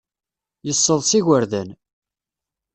Yesseḍs igerdan.